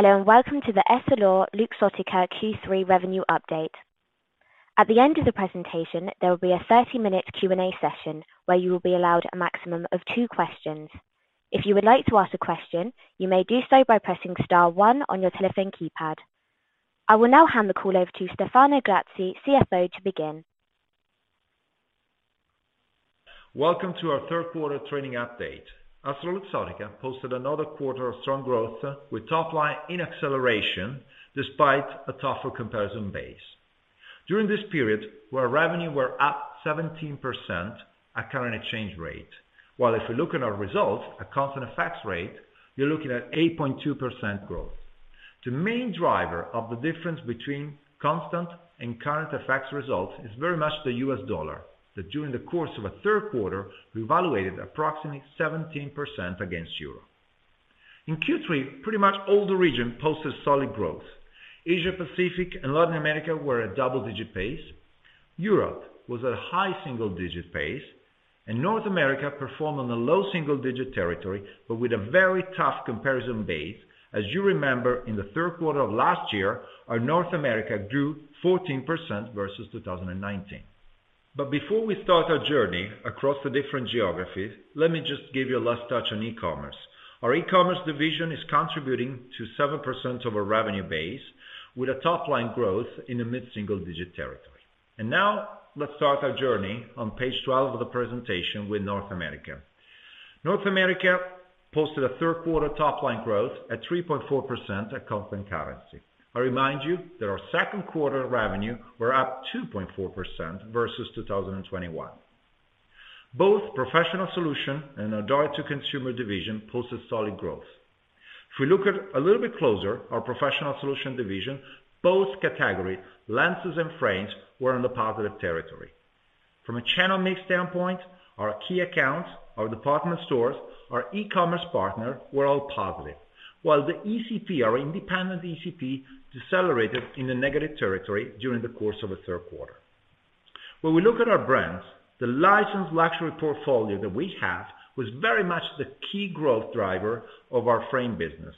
Hello and welcome to the EssilorLuxottica Q3 revenue update. At the end of the presentation, there will be a 30-minute Q&A session where you will be allowed a maximum of two questions. If you would like to ask a question, you may do so by pressing star one on your telephone keypad. I will now hand the call over to Stefano Grassi, CFO, to begin. Welcome to our third quarter trading update. EssilorLuxottica posted another quarter of strong growth with top line in acceleration despite a tougher comparison base. During this period, our revenue were up 17% at current exchange rate. While if you look at our results at constant FX rate, you're looking at 8.2% growth. The main driver of the difference between constant and current FX results is very much the U.S. dollar that during the course of a third quarter revaluated approximately 17% against euro. In Q3, pretty much all the region posted solid growth. Asia-Pacific and Latin America were at double-digit pace. Europe was at a high single-digit pace, and North America performed on a low single-digit territory, but with a very tough comparison base. As you remember, in the third quarter of last year, our North America grew 14% versus 2019. Before we start our journey across the different geographies, let me just give you a last touch on e-commerce. Our e-commerce division is contributing to 7% of our revenue base with a top line growth in the mid-single digit territory. Now let's start our journey on page 12 of the presentation with North America. North America posted a third quarter top line growth at 3.4% at constant currency. I remind you that our second quarter revenue were up 2.4% versus 2021. Both professional solution and our direct to consumer division posted solid growth. If we look a little bit closer, our professional solution division, both categories, lenses and frames, were in the positive territory. From a channel mix standpoint, our key accounts, our department stores, our e-commerce partners were all positive. While the ECP, our independent ECP, decelerated in the negative territory during the course of the third quarter. When we look at our brands, the licensed luxury portfolio that we have was very much the key growth driver of our frame business.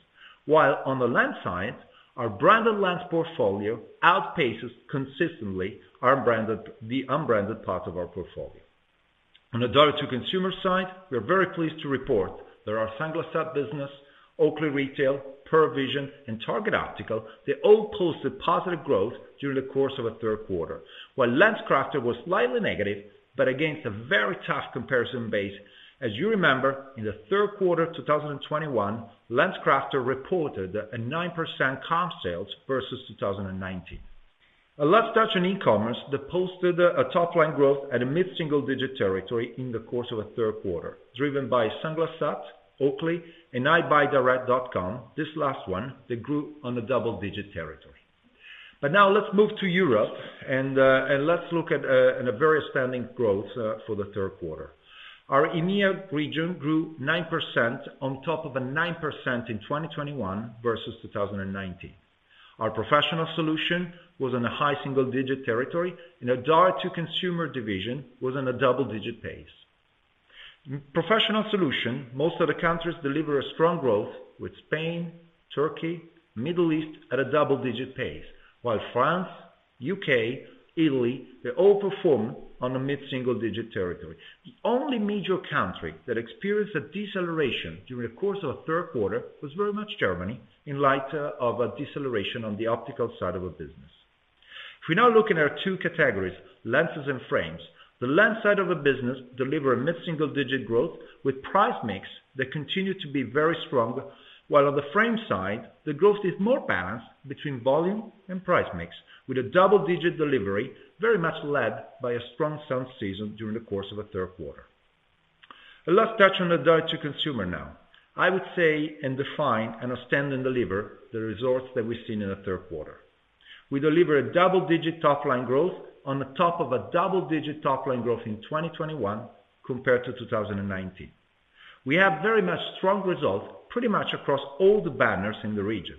While on the lens side, our branded lens portfolio outpaces consistently the unbranded part of our portfolio. On the direct-to-consumer side, we are very pleased to report that our Sunglass Hut business, Oakley Retail, Pearle Vision, and Target Optical, they all posted positive growth during the course of the third quarter. While LensCrafters was slightly negative, but again, it's a very tough comparison base. As you remember, in the third quarter of 2021, LensCrafters reported a 9% comp sales versus 2019. A last touch on e-commerce that posted a top-line growth at a mid-single-digit territory in the course of the third quarter, driven by Sunglass Hut, Oakley, and EyeBuyDirect.com. This last one, they grew on a double-digit territory. Now let's move to Europe and let's look at on a very outstanding growth for the third quarter. Our EMEA region grew 9% on top of a 9% in 2021 versus 2019. Our professional solution was in a high-single-digit territory, and our direct-to-consumer division was in a double-digit pace. Professional solution, most of the countries deliver a strong growth with Spain, Turkey, Middle East at a double-digit pace, while France, U.K., Italy, they all perform on a mid-single-digit territory. The only major country that experienced a deceleration during the course of the third quarter was very much Germany in light of a deceleration on the optical side of a business. If we now look in our two categories, lenses and frames, the lens side of the business deliver a mid-single-digit growth with price mix that continue to be very strong. While on the frame side, the growth is more balanced between volume and price mix, with a double-digit delivery very much led by a strong sun season during the course of the third quarter. A last touch on the direct-to-consumer now. I would say it's an outstanding delivery of the results that we've seen in the third quarter. We deliver a double-digit top-line growth on the top of a double-digit top-line growth in 2021 compared to 2019. We have very much strong results pretty much across all the banners in the region.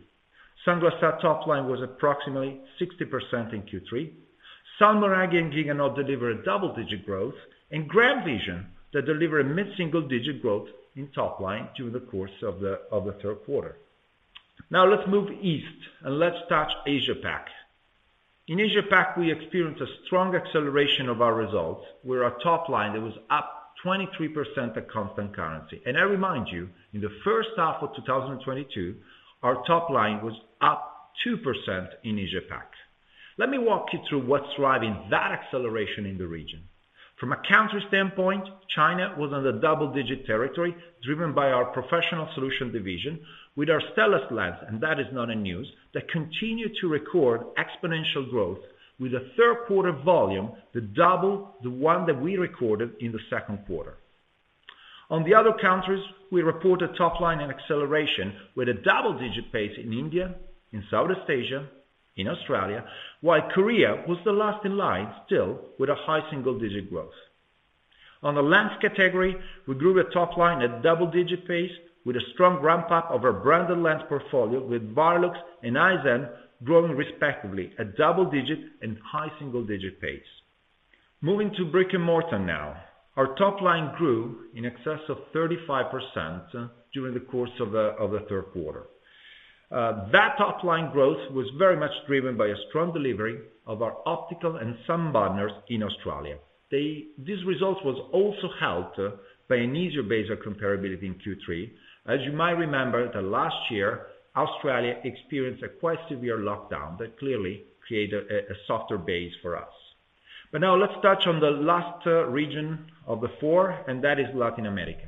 Sunglass Hut top line was approximately 60% in Q3. Salmoiraghi & Viganò deliver a double-digit growth and GrandVision that deliver a mid-single digit growth in top line through the course of the third quarter. Now let's move east and let's touch Asia Pac. In Asia Pac, we experienced a strong acceleration of our results where our top line that was up 23% at constant currency. I remind you, in the first half of 2022, our top line was up 2% in Asia Pac. Let me walk you through what's driving that acceleration in the region. From a country standpoint, China was on the double-digit territory, driven by our professional solution division with our Stellest lens, and that is not a news, that continue to record exponential growth with a third quarter volume that double the one that we recorded in the second quarter. On the other countries, we report a top line in acceleration with a double-digit pace in India, in Southeast Asia, in Australia, while Korea was the last in line still with a high single-digit growth. On the lens category, we grew a top line at double-digit pace with a strong ramp up of our branded lens portfolio with Varilux and Eyezen growing respectively at double-digit and high single-digit pace. Moving to brick-and-mortar now. Our top line grew in excess of 35% during the course of the third quarter. That top line growth was very much driven by a strong delivery of our optical and sun banners in Australia. This result was also helped by an easier base of comparability in Q3. As you might remember that last year, Australia experienced a quite severe lockdown that clearly created a softer base for us. Now let's touch on the last region of the four, and that is Latin America.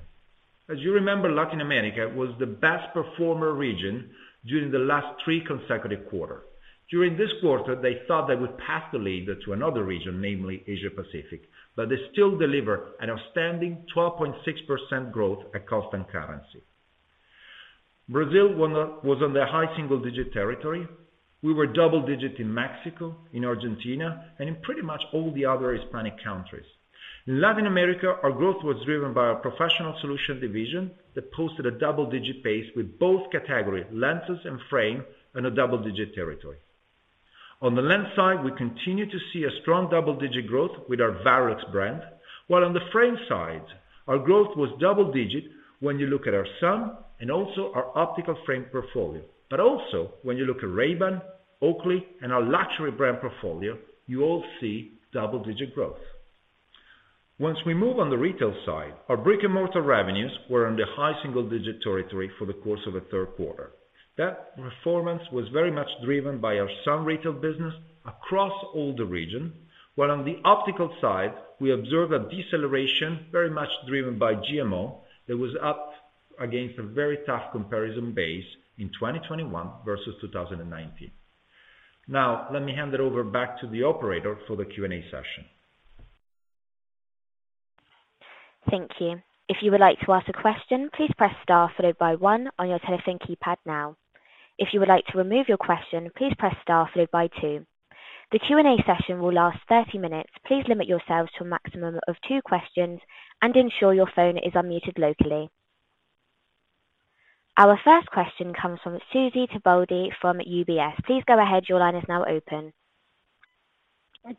As you remember, Latin America was the best performer region during the last three consecutive quarter. During this quarter, they thought they would pass the lead to another region, namely Asia Pacific, but they still delivered an outstanding 12.6% growth at constant currency. Brazil was on their high single digit territory. We were double digit in Mexico, in Argentina, and in pretty much all the other Hispanic countries. In Latin America, our growth was driven by our professional solution division that posted a double-digit pace with both category, lenses and frame, in a double digit territory. On the lens side, we continue to see a strong double-digit growth with our Varilux brand. While on the frame side, our growth was double digit when you look at our sun and also our optical frame portfolio. Also when you look at Ray-Ban, Oakley, and our luxury brand portfolio, you all see double-digit growth. Once we move on the retail side, our brick-and-mortar revenues were in the high single digit territory for the course of the third quarter. That performance was very much driven by our Sunglass retail business across all regions, while on the optical side, we observe a deceleration very much driven by GMO that was up against a very tough comparison base in 2021 versus 2019. Now, let me hand it over back to the operator for the Q&A session. Thank you. If you would like to ask a question, please press star followed by one on your telephone keypad now. If you would like to remove your question, please press star followed by two. The Q&A session will last 30 minutes. Please limit yourselves to a maximum of two questions and ensure your phone is unmuted locally. Our first question comes from Susy Tibaldi from UBS. Please go ahead, your line is now open.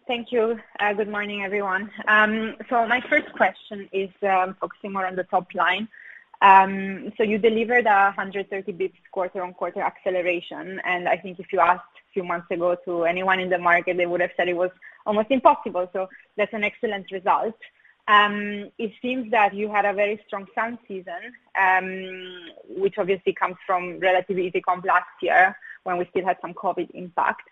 Thank you. Good morning, everyone. My first question is, focusing more on the top line. You delivered 130 basis points quarter-on-quarter acceleration, and I think if you asked a few months ago to anyone in the market, they would have said it was almost impossible. That's an excellent result. It seems that you had a very strong sun season, which obviously comes from relatively easy comp last year when we still had some COVID impact.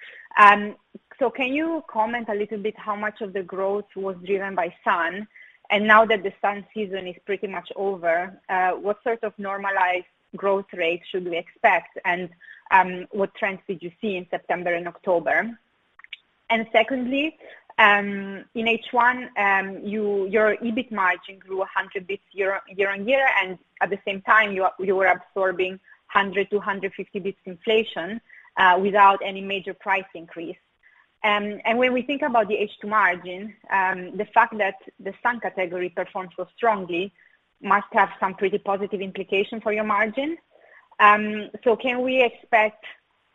Can you comment a little bit how much of the growth was driven by sun? Now that the sun season is pretty much over, what sort of normalized growth rate should we expect? What trends did you see in September and October? Secondly, in H1, your EBIT margin grew 100 basis points year-on-year, and at the same time, you were absorbing 100 to 150 basis points inflation without any major price increase. When we think about the H2 margin, the fact that the sun category performed so strongly must have some pretty positive implication for your margin. Can we expect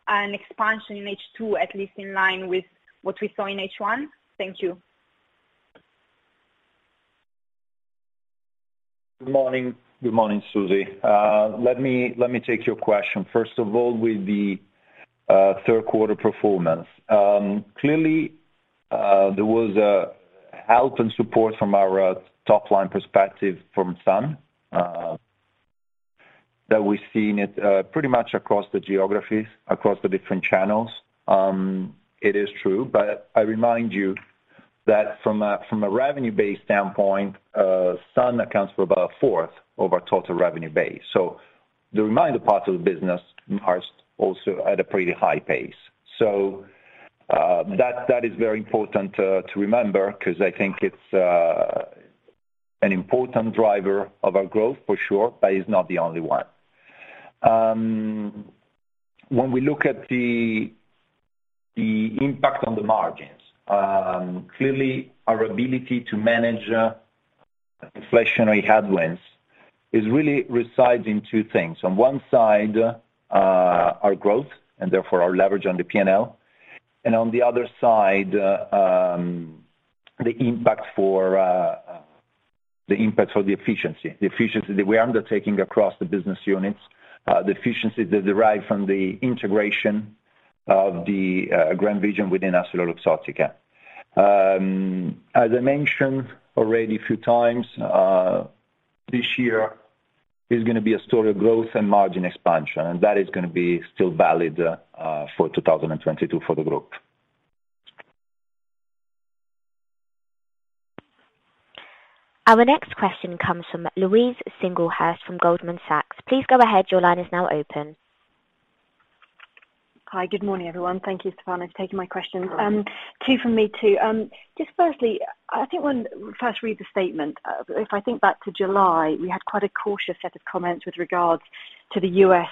an expansion in H2 at least in line with what we saw in H1? Thank you. Good morning. Good morning, Suzy. Let me take your question. First of all, with the third quarter performance. Clearly there was help and support from our top line perspective from sun that we've seen it pretty much across the geographies, across the different channels. It is true, but I remind you that from a revenue-based standpoint, sun accounts for about a fourth of our total revenue base. The remaining parts of the business are also at a pretty high pace. That is very important to remember because I think it's an important driver of our growth for sure, but it's not the only one. When we look at the impact on the margins, clearly our ability to manage inflationary headwinds really resides in two things. On one side, our growth, and therefore our leverage on the P&L. On the other side, the impact for the efficiency that we are undertaking across the business units, the efficiency that derive from the integration of the GrandVision within EssilorLuxottica. As I mentioned already a few times, this year is gonna be a story of growth and margin expansion, and that is gonna be still valid for 2022 for the group. Our next question comes from Louise Singlehurst from Goldman Sachs. Please go ahead, your line is now open. Hi. Good morning, everyone. Thank you, Stefano, for taking my question. Two from me too. Just firstly, I think when we first read the statement, if I think back to July, we had quite a cautious set of comments with regards to the U.S.,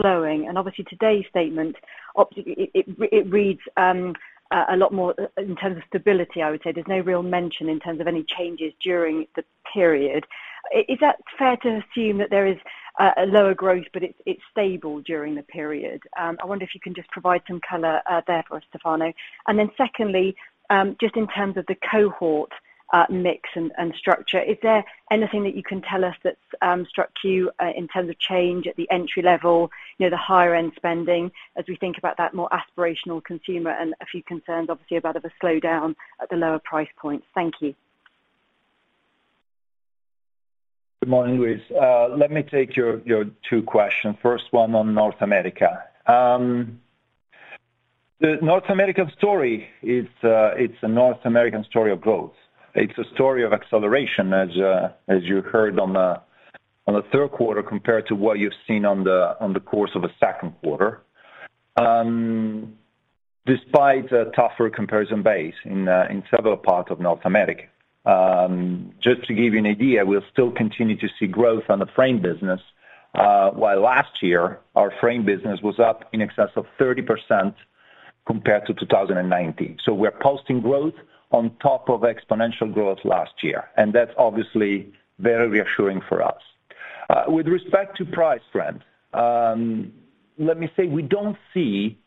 slowing. Obviously today's statement, obviously it reads a lot more in terms of stability, I would say. There's no real mention in terms of any changes during the period. Is that fair to assume that there is a lower growth, but it's stable during the period? I wonder if you can just provide some color there for us, Stefano. Secondly, just in terms of the cohort mix and structure, is there anything that you can tell us that struck you in terms of change at the entry level, you know, the higher end spending as we think about that more aspirational consumer and a few concerns, obviously, about a slowdown at the lower price point? Thank you. Good morning, Louise. Let me take your two questions. First one on North America. The North American story is, it's a North American story of growth. It's a story of acceleration as you heard on the third quarter compared to what you've seen on the course of the second quarter. Despite a tougher comparison base in several parts of North America. Just to give you an idea, we'll still continue to see growth on the frame business, while last year our frame business was up in excess of 30% compared to 2019. We're posting growth on top of exponential growth last year, and that's obviously very reassuring for us. With respect to price trends, let me say we don't see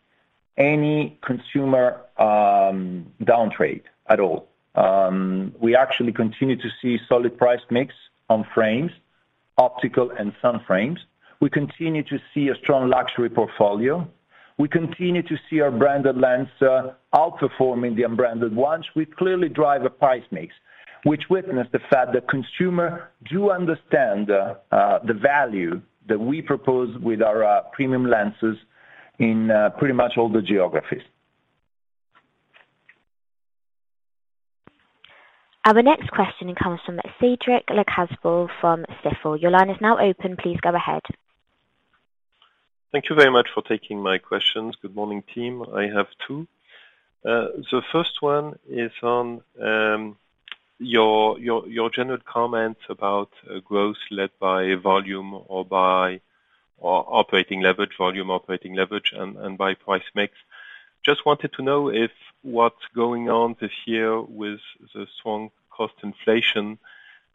any consumer downtrade at all. We actually continue to see solid price mix on frames, optical and sun frames. We continue to see a strong luxury portfolio. We continue to see our branded lens outperforming the unbranded ones, which clearly drive a price mix, which witness the fact that consumer do understand the value that we propose with our premium lenses in pretty much all the geographies. Our next question comes from Cédric Lecasble from Stifel. Your line is now open. Please go ahead. Thank you very much for taking my questions. Good morning, team. I have two. The first one is on your general comments about growth led by volume or by operating leverage, volume operating leverage and by price mix. Just wanted to know if what's going on this year with the strong cost inflation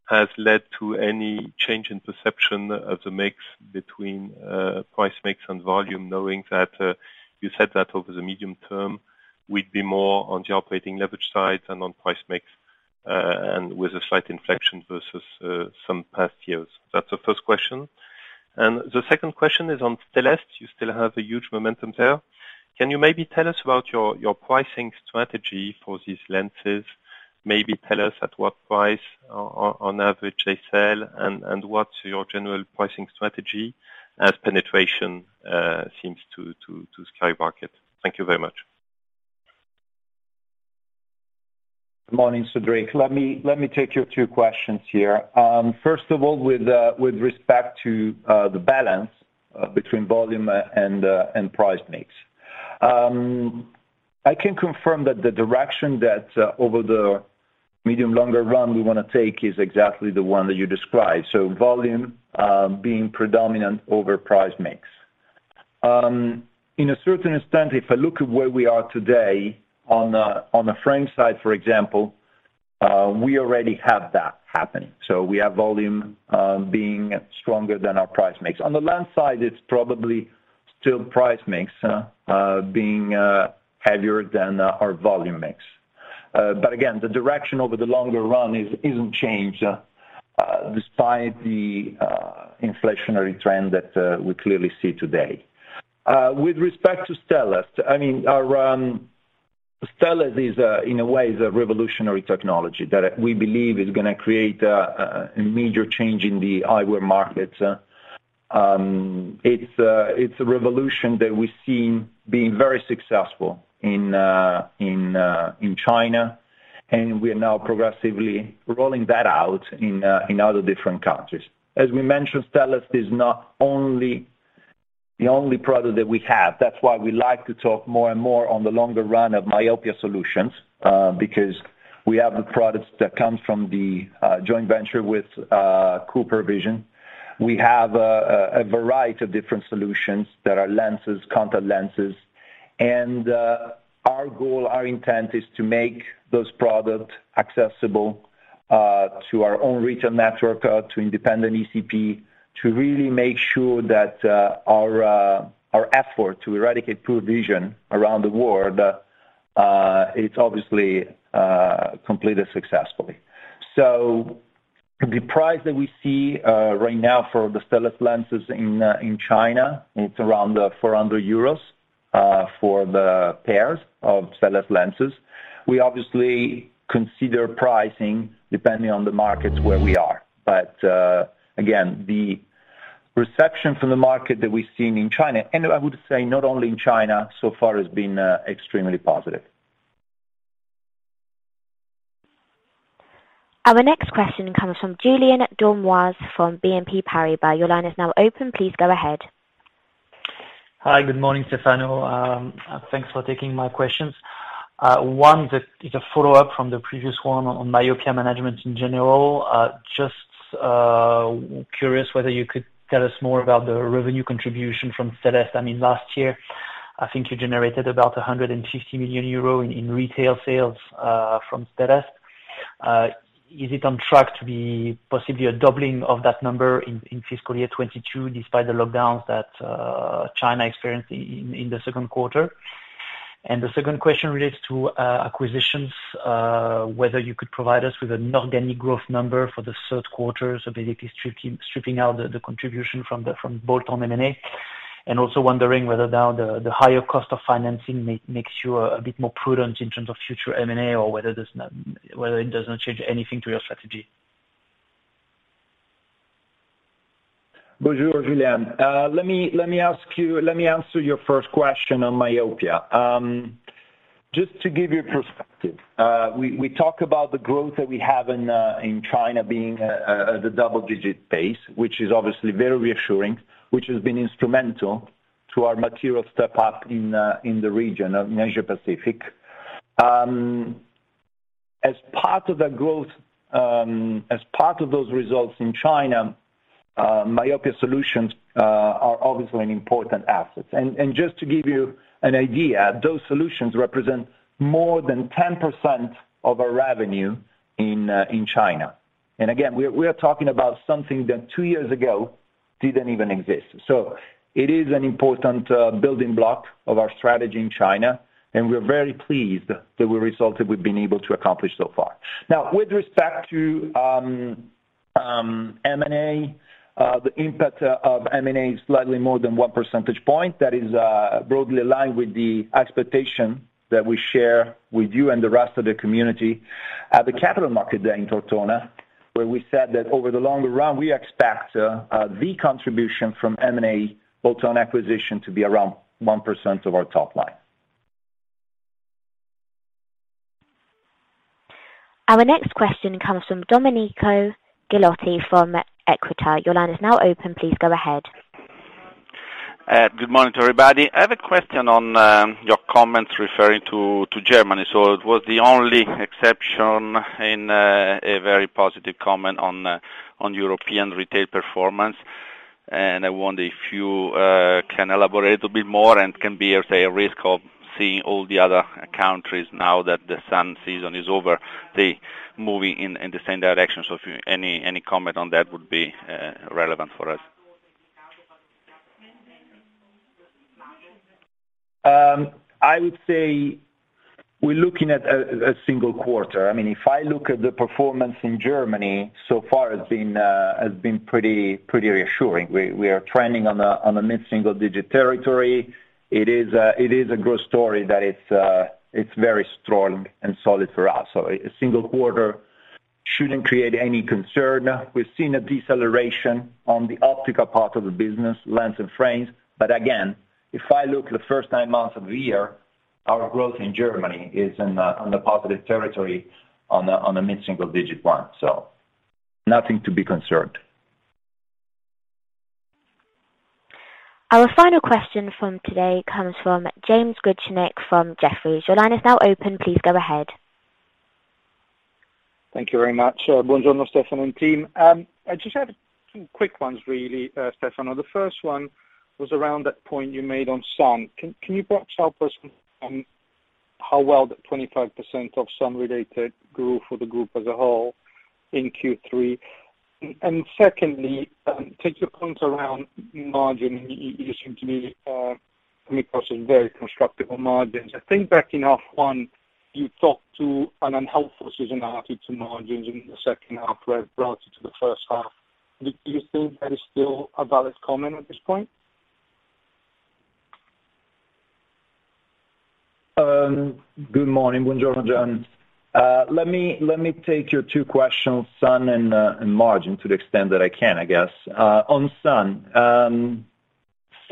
has led to any change in perception of the mix between price mix and volume, knowing that you said that over the medium term we'd be more on the operating leverage side and on price mix and with a slight inflection versus some past years. That's the first question. The second question is on Stellest. You still have a huge momentum there. Can you maybe tell us about your pricing strategy for these lenses? Maybe tell us at what price on average they sell and what's your general pricing strategy as penetration seems to skyrocket. Thank you very much. Morning, Cedric Lecasble. Let me take your two questions here. First of all, with respect to the balance between volume and price mix. I can confirm that the direction that over the medium longer run we want to take is exactly the one that you described. Volume being predominant over price mix. In a certain extent, if I look at where we are today on the frame side, for example, we already have that happening. We have volume being stronger than our price mix. On the lens side, it's probably still price mix being heavier than our volume mix. Again, the direction over the longer run isn't changed, despite the inflationary trend that we clearly see today. With respect to Stellest, I mean, our Stellest is in a way a revolutionary technology that we believe is gonna create a major change in the eyewear market. It's a revolution that we've seen being very successful in China, and we are now progressively rolling that out in other different countries. As we mentioned, Stellest is not only the only product that we have. That's why we like to talk more and more on the longer run of myopia solutions, because we have the products that comes from the joint venture with CooperVision. We have a variety of different solutions that are lenses, contact lenses, and our goal, our intent is to make those products accessible to our own retail network, to independent ECP, to really make sure that our effort to eradicate poor vision around the world is obviously completed successfully. The price that we see right now for the Stellest lenses in China is around 400 euros for the pairs of Stellest lenses. We obviously consider pricing depending on the markets where we are. Again, the reception from the market that we've seen in China, and I would say not only in China, so far has been extremely positive. Our next question comes from Julien Dormois from BNP Paribas. Your line is now open. Please go ahead. Hi. Good morning, Stefano. Thanks for taking my questions. One that is a follow-up from the previous one on myopia management in general. Just curious whether you could tell us more about the revenue contribution from Stellest. I mean, last year. I think you generated about 150 million euro in retail sales from Stellest. Is it on track to be possibly a doubling of that number in fiscal year 2022, despite the lockdowns that China experienced in the second quarter? The second question relates to acquisitions, whether you could provide us with an organic growth number for the third quarter, so basically stripping out the contribution from the bolt-on M&A. Also wondering whether now the higher cost of financing makes you a bit more prudent in terms of future M&A or whether it doesn't change anything to your strategy. Bonjour, Julien. Let me answer your first question on myopia. Just to give you perspective, we talk about the growth that we have in China being the double-digit pace, which is obviously very reassuring, which has been instrumental to our material step up in the region of Asia Pacific. As part of the growth, as part of those results in China, myopia solutions are obviously an important asset. Just to give you an idea, those solutions represent more than 10% of our revenue in China. Again, we are talking about something that two years ago didn't even exist. It is an important building block of our strategy in China, and we're very pleased with the result that we've been able to accomplish so far. Now, with respect to M&A, the impact of M&A is slightly more than 1 percentage point. That is broadly aligned with the expectation that we share with you and the rest of the community at the Capital Markets Day in [Tortona], where we said that over the longer run, we expect the contribution from M&A bolt-on acquisition to be around 1% of our top line. Our next question comes from Domenico Ghilotti from Equita. Your line is now open. Please go ahead. Good morning to everybody. I have a question on your comments referring to Germany. It was the only exception in a very positive comment on European retail performance. I wonder if you can elaborate a bit more and, say, a risk of seeing all the other countries now that the summer season is over, them moving in the same direction. If you have any comment on that would be relevant for us. I would say we're looking at a single quarter. I mean, if I look at the performance in Germany, so far it's been pretty reassuring. We are trending on a mid-single digit territory. It is a growth story that it's very strong and solid for us. So, a single quarter shouldn't create any concern. We've seen a deceleration on the optical part of the business, lens and frames. But again, if I look at the first nine months of the year, our growth in Germany is in on the positive territory on a mid-single digit one. So, nothing to be concerned. Our final question from today comes from James Grzinic from Jefferies. Your line is now open. Please go ahead. Thank you very much. Buongiorno, Stefano and team. I just have two quick ones really, Stefano. The first one was around that point you made on sun. Can you perhaps help us on how well that 25% of sun-related grew for the group as a whole in Q3? Secondly, take your points around margin. You seem to be coming across as very constructive on margins. I think back in H1, you talked to an unhelpful seasonality to margins in the second half relative to the first half. Do you think that is still a valid comment at this point? Good morning. Buongiorno, James. Let me take your two questions, sun and margin, to the extent that I can, I guess. On sun.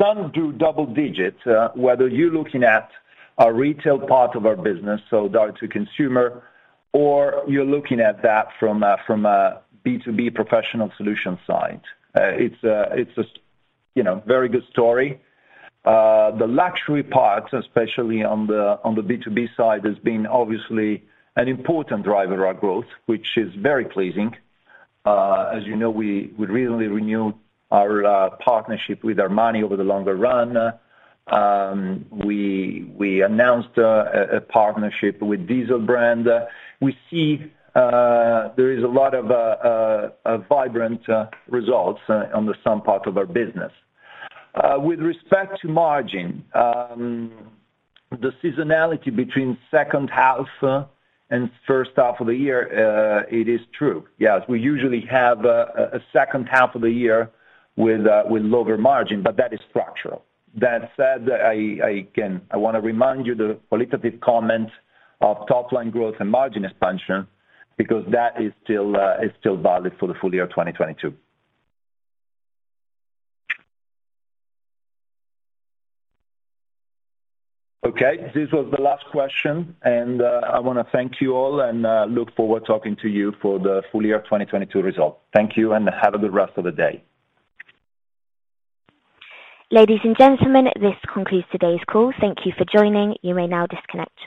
Sun do double digits, whether you're looking at our retail part of our business, so down to consumer, or you're looking at that from a B2B professional solution side. It's a, you know, very good story. The luxury parts, especially on the B2B side, has been obviously an important driver of growth, which is very pleasing. As you know, we recently renewed our partnership with Armani over the longer run. We announced a partnership with Diesel brand. We see there is a lot of vibrant results on the sun part of our business. With respect to margin, the seasonality between second half and first half of the year, it is true. Yes. We usually have a second half of the year with lower margin, but that is structural. That said, again, I wanna remind you the qualitative comments of top-line growth and margin expansion because that is still valid for the full year 2022. Okay. This was the last question, and I wanna thank you all and look forward talking to you for the full year 2022 results. Thank you and have a good rest of the day. Ladies and gentlemen, this concludes today's call. Thank you for joining. You may now disconnect.